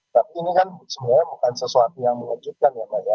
tapi ini kan sebenarnya bukan sesuatu yang mengejutkan ya mbak ya